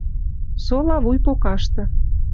Сола вуй покашты.